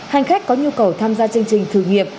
hành khách có nhu cầu tham gia chương trình thử nghiệm